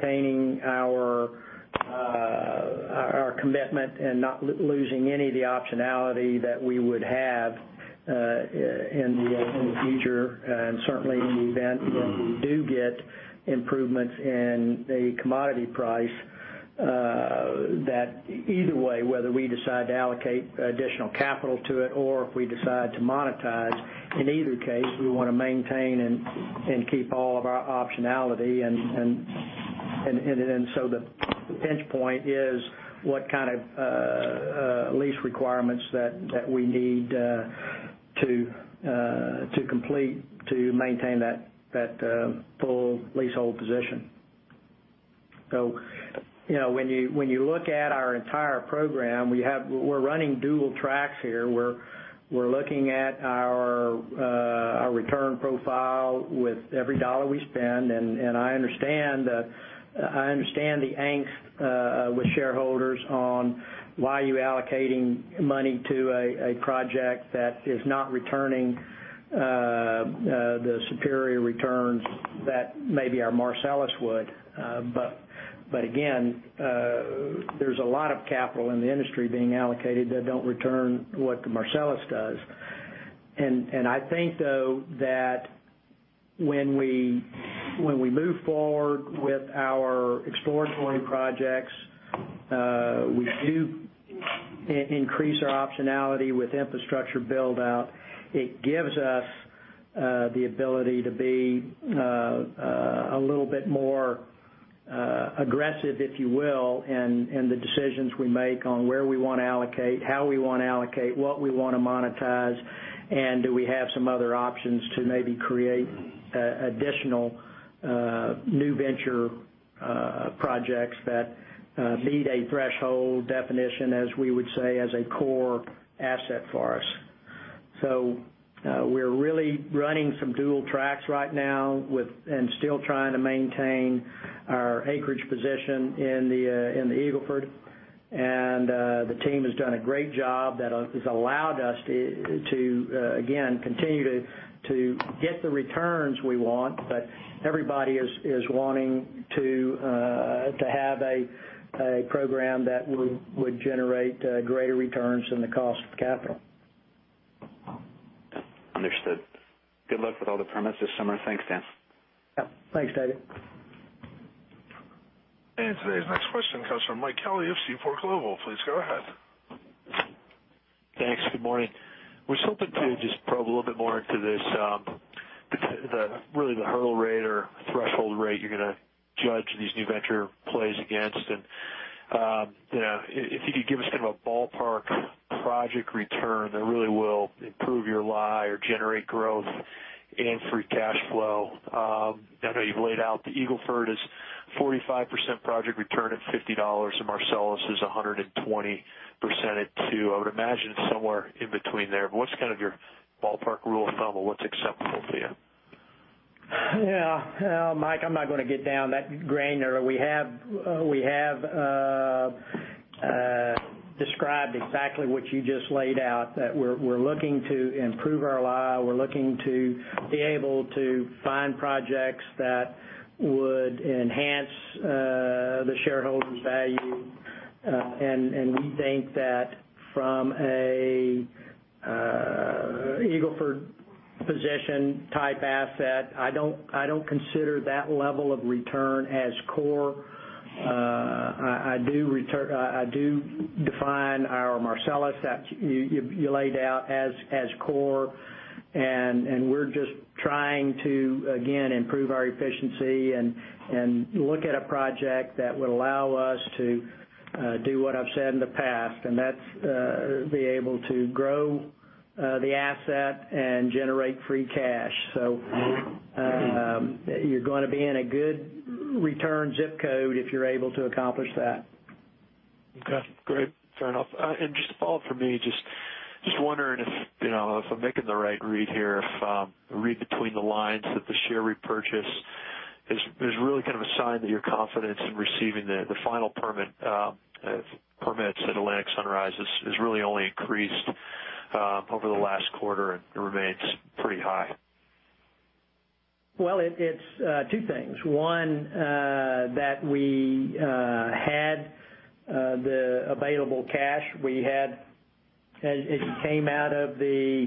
Maintaining our commitment and not losing any of the optionality that we would have in the future, certainly in the event that we do get improvements in the commodity price, that either way, whether we decide to allocate additional capital to it or if we decide to monetize, in either case, we want to maintain and keep all of our optionality. The pinch point is what kind of lease requirements that we need to complete to maintain that full leasehold position. When you look at our entire program, we're running dual tracks here. We're looking at our return profile with every dollar we spend, and I understand the angst with shareholders on why you're allocating money to a project that is not returning the superior returns that maybe our Marcellus would. Again, there's a lot of capital in the industry being allocated that don't return what the Marcellus does. I think, though, that when we move forward with our exploratory projects, we do increase our optionality with infrastructure build out. It gives us the ability to be a little bit more aggressive, if you will, in the decisions we make on where we want to allocate, how we want to allocate, what we want to monetize, and do we have some other options to maybe create additional new venture projects that meet a threshold definition, as we would say, as a core asset for us. We're really running some dual tracks right now, and still trying to maintain our acreage position in the Eagle Ford, and the team has done a great job that has allowed us to, again, continue to get the returns we want. Everybody is wanting to have a program that would generate greater returns than the cost of capital. Understood. Good luck with all the permits this summer. Thanks, Dan. Yeah. Thanks, David. Today's next question comes from Michael Kelly of Seaport Global. Please go ahead. Thanks. Good morning. Was hoping to just probe a little bit more into this, really the hurdle rate or threshold rate you're going to judge these new venture plays against, and if you could give us a ballpark project return that really will improve your lie or generate growth and free cash flow. I know you've laid out the Eagle Ford is 45% project return at $50, and Marcellus is 120% at two. I would imagine it's somewhere in between there, but what's your ballpark rule of thumb, or what's acceptable for you? Yeah. Mike, I'm not going to get down that granular. We have described exactly what you just laid out, that we're looking to improve our lie. We're looking to be able to find projects that would enhance the shareholders' value. We think that from a Eagle Ford position type asset, I don't consider that level of return as core. I do define our Marcellus that you laid out as core, and we're just trying to, again, improve our efficiency and look at a project that would allow us to do what I've said in the past, and that's be able to grow the asset and generate free cash. You're going to be in a good return zip code if you're able to accomplish that. Okay, great. Fair enough. Just a follow up from me, just wondering if I'm making the right read here, if read between the lines that the share repurchase is really a sign that your confidence in receiving the final permits at Atlantic Sunrise has really only increased over the last quarter, and it remains pretty high? Well, it's two things. One, that we had the available cash. It came out of the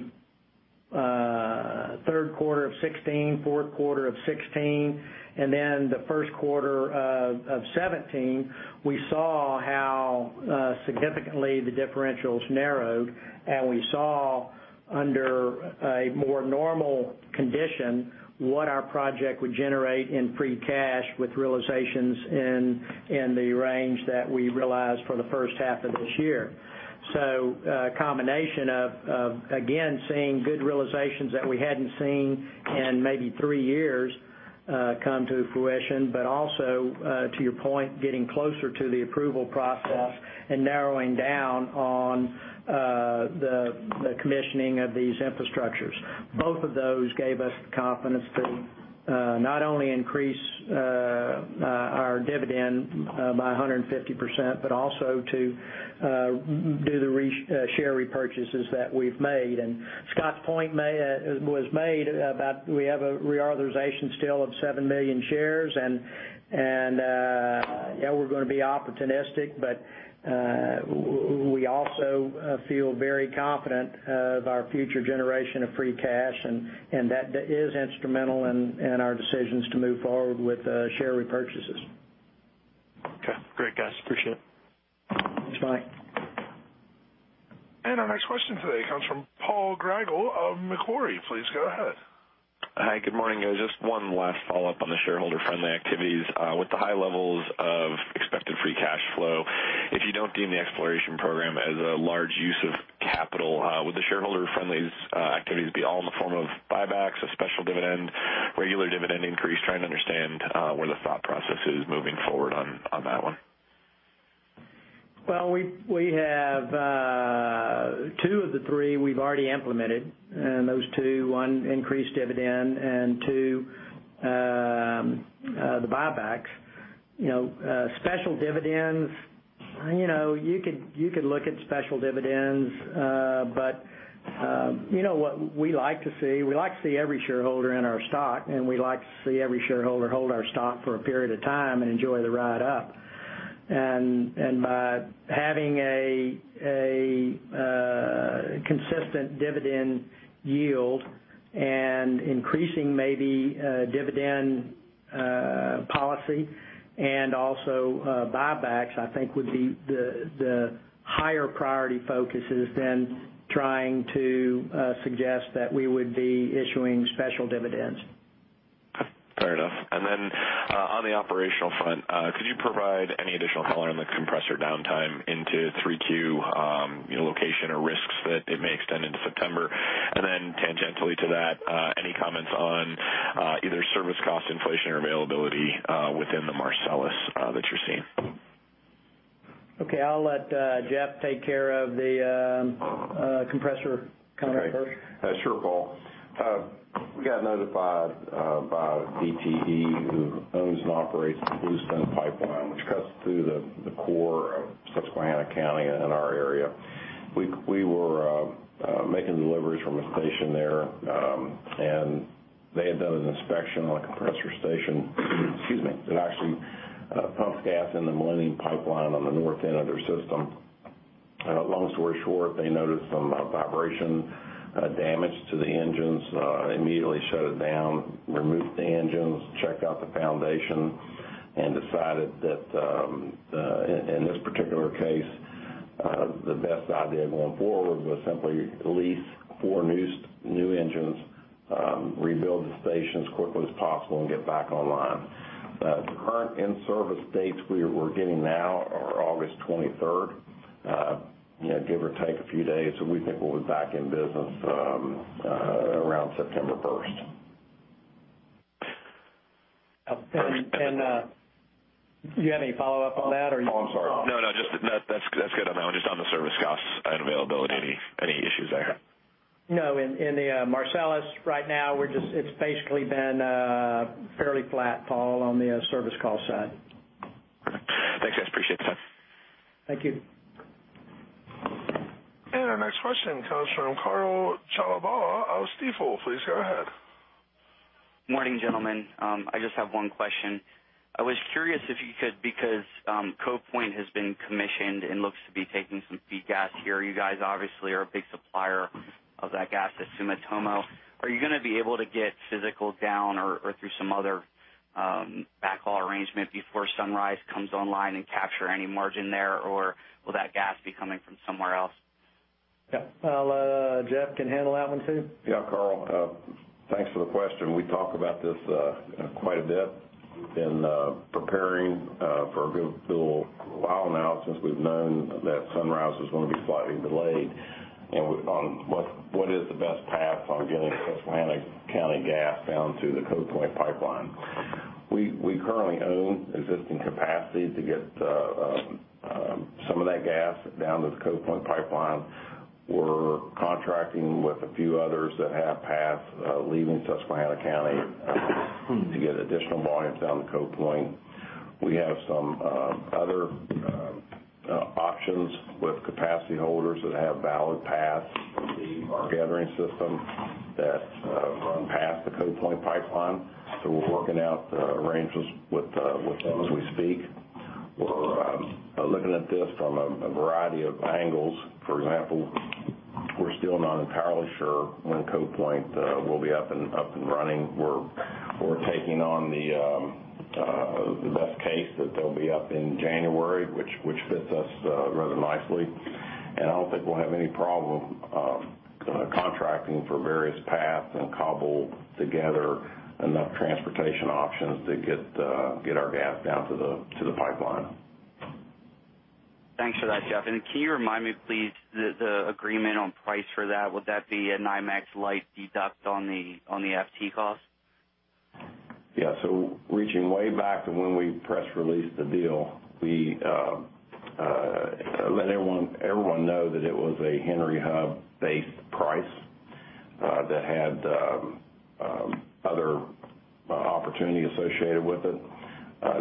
third quarter of 2016, fourth quarter of 2016, and then the first quarter of 2017. We saw how significantly the differentials narrowed, and we saw under a more normal condition, what our project would generate in free cash with realizations in the range that we realized for the first half of this year. A combination of, again, seeing good realizations that we hadn't seen in maybe three years come to fruition, but also, to your point, getting closer to the approval process and narrowing down on the commissioning of these infrastructures. Both of those gave us the confidence to not only increase our dividend by 150%, but also to do the share repurchases that we've made. Scott's point was made about, we have a reauthorization still of seven million shares, and we're going to be opportunistic, but we also feel very confident of our future generation of free cash, and that is instrumental in our decisions to move forward with share repurchases. Okay. Great, guys. Appreciate it. Thanks, Mike. Our next question today comes from Paul Grigel of Macquarie. Please go ahead. Hi. Good morning. Just one last follow-up on the shareholder-friendly activities. With the high levels of expected free cash flow, if you don't deem the exploration program as a large use of capital, would the shareholder-friendly activities be all in the form of buybacks, a special dividend, regular dividend increase? Trying to understand where the thought process is moving forward on that one. Well, we have two of the three we've already implemented, those two, one, increased dividend, and two, the buybacks. Special dividends, you could look at special dividends. What we like to see, we like to see every shareholder in our stock, and we like to see every shareholder hold our stock for a period of time and enjoy the ride up. By having a consistent dividend yield and increasing maybe dividend policy and also buybacks, I think would be the higher priority focuses than trying to suggest that we would be issuing special dividends. Fair enough. On the operational front, could you provide any additional color on the compressor downtime into 3Q, location or risks that it may extend into September? Tangentially to that, any comments on either service cost inflation or availability within the Marcellus that you're seeing? Okay. I'll let Jeff take care of the compressor comment first. Sure, Paul. We got notified by DTE, who owns and operates the Bluestone Pipeline, which cuts through the core of Susquehanna County in our area. We were making deliveries from a station there, and they had done an inspection on a compressor station that actually pumps gas in the Millennium Pipeline on the north end of their system. Long story short, they noticed some vibration damage to the engines. They immediately shut it down, removed the engines, checked out the foundation, and decided that, in this particular case, the best idea going forward was simply lease four new engines, rebuild the station as quickly as possible, and get back online. The current in-service dates we're getting now are August 23rd give or take a few days. We think we'll be back in business around September 1st. Do you have any follow-up on that? Oh, I'm sorry. No, that's good on that one. Just on the service costs and availability. Any issues there? No. In the Marcellus right now, it's basically been fairly flat, Paul, on the service cost side. Thanks, guys. Appreciate the time. Thank you. Our next question comes from Karl Chalabala of Stifel. Please go ahead. Morning, gentlemen. I just have one question. I was curious if you could, because Cove Point has been commissioned and looks to be taking some feed gas here. You guys obviously are a big supplier of that gas to Sumitomo. Are you going to be able to get physical down or through some other backhaul arrangement before Sunrise comes online and capture any margin there, or will that gas be coming from somewhere else? Jeff can handle that one, too. Karl. Thanks for the question. We talk about this quite a bit in preparing for a good little while now, since we've known that Sunrise was going to be slightly delayed, and on what is the best path on getting Susquehanna County gas down to the Cove Point pipeline. We currently own existing capacity to get some of that gas down to the Cove Point pipeline. We're contracting with a few others that have paths leaving Susquehanna County to get additional volumes down to Cove Point. We have some other options with capacity holders that have valid paths in our gathering system that run past the Cove Point pipeline. We're working out the arrangements with those as we speak. We're looking at this from a variety of angles. For example, we're still not entirely sure when Cove Point will be up and running. We're taking on the best case that they'll be up in January, which fits us rather nicely. I don't think we'll have any problem contracting for various paths and cobble together enough transportation options to get our gas down to the pipeline. Thanks for that, Jeff. Can you remind me please, the agreement on price for that, would that be a NYMEX light deduct on the FT cost? Yeah. Reaching way back to when we press released the deal, we let everyone know that it was a Henry Hub-based price that had other opportunity associated with it.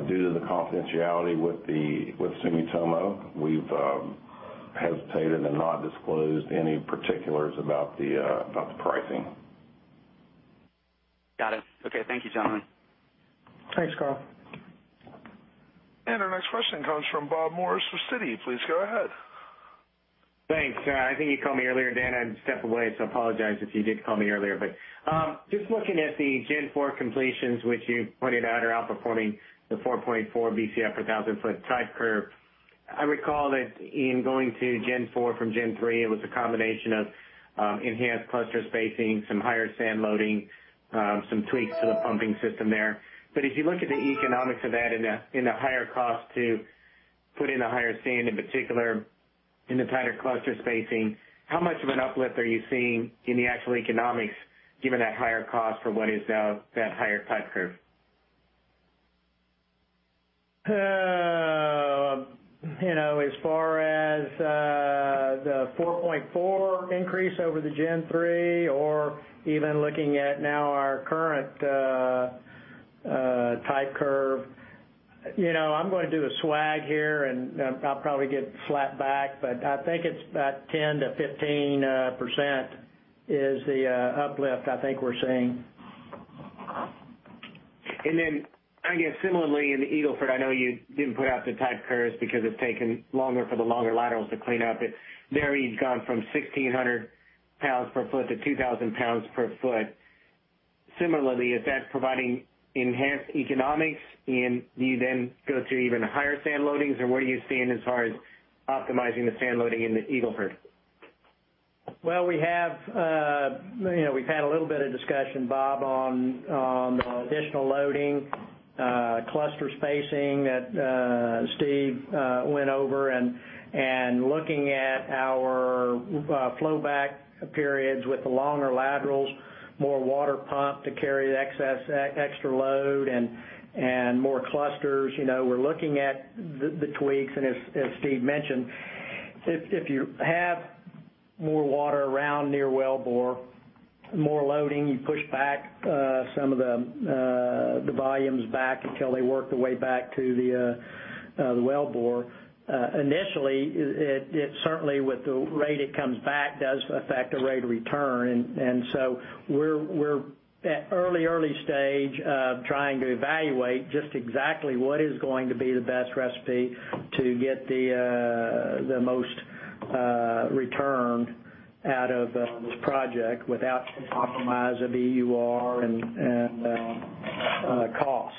Due to the confidentiality with Sumitomo, we've hesitated and not disclosed any particulars about the pricing. Got it. Okay. Thank you, gentlemen. Thanks, Karl. Our next question comes from Robert Morris with Citi. Please go ahead. Thanks. I think you called me earlier, Dan. I had to step away, so apologize if you did call me earlier. Just looking at the Gen 4 completions, which you pointed out are outperforming the 4.4 Bcf per 1,000 foot type curve. I recall that in going to Gen 4 from Gen 3, it was a combination of enhanced cluster spacing, some higher sand loading, some tweaks to the pumping system there. If you look at the economics of that in the higher cost to put in a higher sand, in particular in the tighter cluster spacing, how much of an uplift are you seeing in the actual economics, given that higher cost for what is that higher type curve? As far as the 4.4 increase over the Gen 3, or even looking at now our current type curve, I'm going to do a swag here, and I'll probably get slapped back, but I think it's about 10%-15% is the uplift I think we're seeing. I guess similarly in the Eagle Ford, I know you didn't put out the type curves because it's taken longer for the longer laterals to clean up. There you've gone from 1,600 pounds per foot to 2,000 pounds per foot. Similarly, is that providing enhanced economics, and do you then go to even higher sand loadings, or what are you seeing as far as optimizing the sand loading in the Eagle Ford? We've had a little bit of discussion, Bob, on the additional loading, cluster spacing that Steve went over, and looking at our flow back periods with the longer laterals, more water pump to carry the extra load, and more clusters. We're looking at the tweaks, and as Steve mentioned, if you have more water around near wellbore, more loading, you push back some of the volumes back until they work their way back to the wellbore. Initially, it certainly with the rate it comes back, does affect the rate of return. We're at early stage of trying to evaluate just exactly what is going to be the best recipe to get the most return out of this project without compromise of EUR and cost.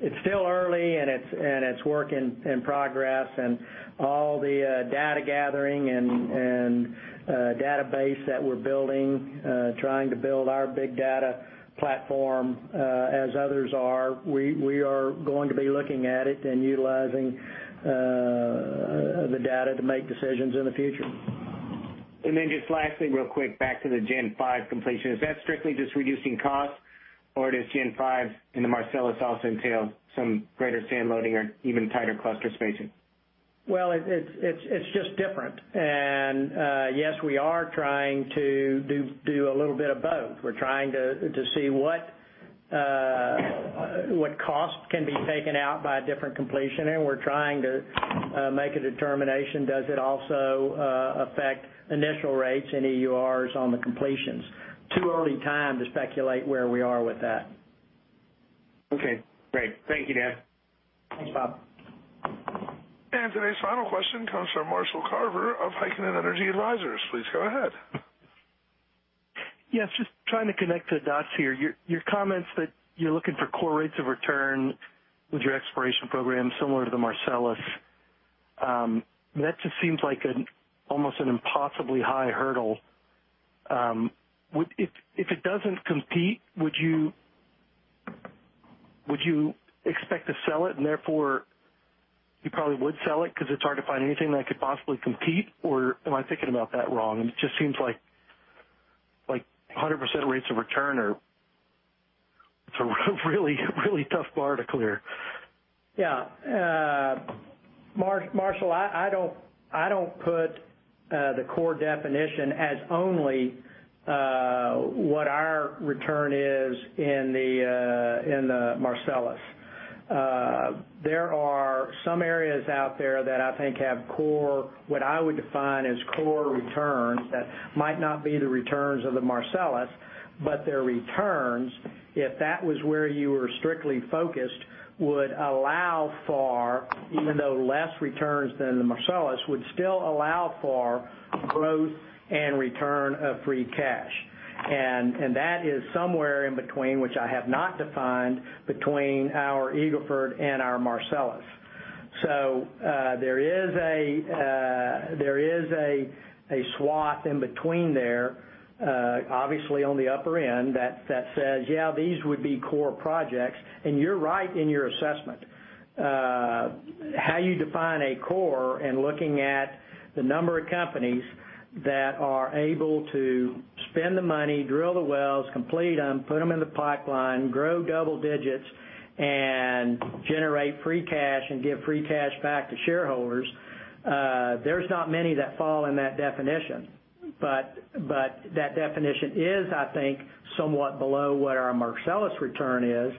It's still early, and it's work in progress and all the data gathering and database that we're building, trying to build our big data platform, as others are. We are going to be looking at it and utilizing the data to make decisions in the future. Just lastly, real quick, back to the Gen 5 completion. Is that strictly just reducing costs, or does Gen 5 in the Marcellus also entail some greater sand loading or even tighter cluster spacing? Well, it's just different. Yes, we are trying to do a little bit of both. We're trying to see what cost can be taken out by a different completion, and we're trying to make a determination, does it also affect initial rates and EURs on the completions? Too early time to speculate where we are with that. Okay, great. Thank you, Dan. Thanks, Bob. Today's final question comes from Marshall Carver of Heikkinen Energy Advisors. Please go ahead. Yes, just trying to connect the dots here. Your comments that you're looking for core rates of return with your exploration program similar to the Marcellus, that just seems like almost an impossibly high hurdle. If it doesn't compete, would you expect to sell it and therefore you probably would sell it because it's hard to find anything that could possibly compete? Or am I thinking about that wrong? It just seems like 100% rates of return. It's a really tough bar to clear. Yeah. Marshall, I don't put the core definition as only what our return is in the Marcellus. There are some areas out there that I think have core, what I would define as core returns, that might not be the returns of the Marcellus, but their returns, if that was where you were strictly focused, would allow for, even though less returns than the Marcellus, would still allow for growth and return of free cash. That is somewhere in between, which I have not defined, between our Eagle Ford and our Marcellus. There is a swath in between there, obviously on the upper end, that says, "Yeah, these would be core projects." You're right in your assessment. How you define a core and looking at the number of companies that are able to spend the money, drill the wells, complete them, put them in the pipeline, grow double digits, and generate free cash and give free cash back to shareholders. There's not many that fall in that definition, but that definition is, I think, somewhat below what our Marcellus return is,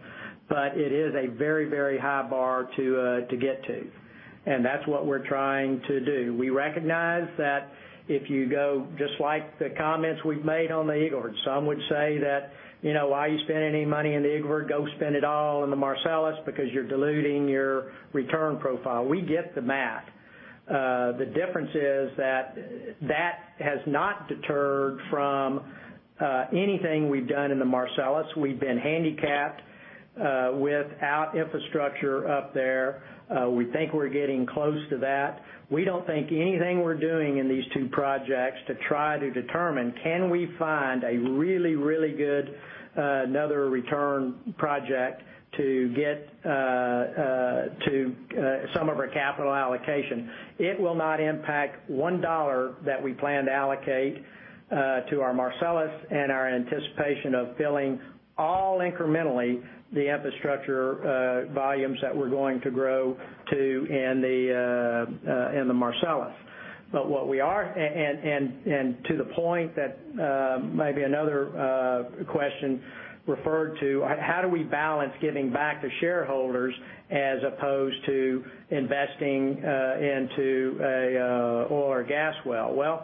but it is a very high bar to get to. That's what we're trying to do. We recognize that if you go, just like the comments we've made on the Eagle Ford, some would say that, "Why are you spending any money in the Eagle Ford? Go spend it all in the Marcellus because you're diluting your return profile." We get the math. The difference is that that has not deterred from anything we've done in the Marcellus. We've been handicapped without infrastructure up there. We think we're getting close to that. We don't think anything we're doing in these two projects to try to determine, can we find a really good another return project to get to some of our capital allocation? It will not impact $1 that we plan to allocate to our Marcellus and our anticipation of filling all incrementally the infrastructure volumes that we're going to grow to in the Marcellus. To the point that maybe another question referred to, how do we balance giving back to shareholders as opposed to investing into oil or gas well?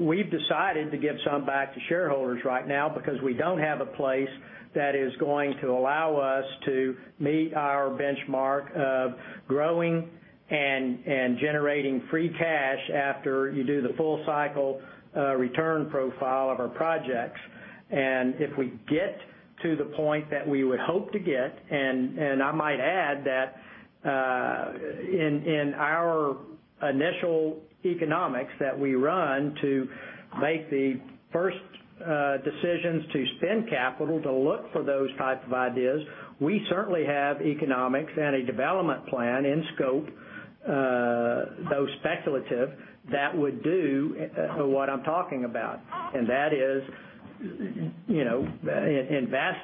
We've decided to give some back to shareholders right now because we don't have a place that is going to allow us to meet our benchmark of growing and generating free cash after you do the full cycle return profile of our projects. If we get to the point that we would hope to get, I might add that in our initial economics that we run to make the first decisions to spend capital to look for those type of ideas, we certainly have economics and a development plan in scope, though speculative, that would do what I'm talking about. That is invest,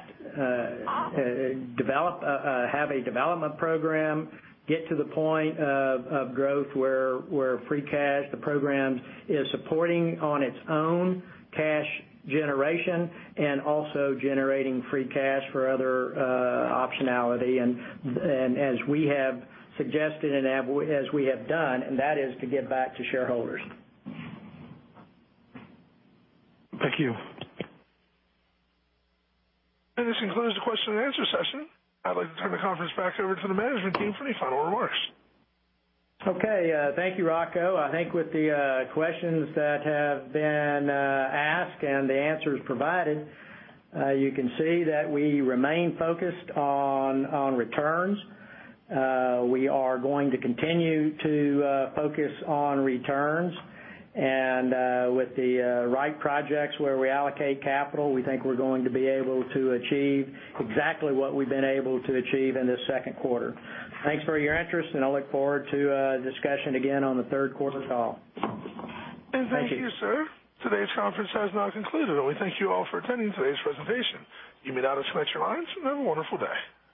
have a development program, get to the point of growth where free cash, the program is supporting on its own cash generation and also generating free cash for other optionality. As we have suggested and as we have done, that is to give back to shareholders. Thank you. This concludes the question and answer session. I'd like to turn the conference back over to the management team for any final remarks. Okay. Thank you, Rocco. I think with the questions that have been asked and the answers provided, you can see that we remain focused on returns. We are going to continue to focus on returns. With the right projects where we allocate capital, we think we're going to be able to achieve exactly what we've been able to achieve in this second quarter. Thanks for your interest, and I look forward to a discussion again on the third quarter call. Thank you, sir. Today's conference has now concluded, we thank you all for attending today's presentation. You may now disconnect your lines, have a wonderful day.